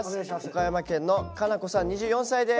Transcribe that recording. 岡山県のかなこさん２４歳です。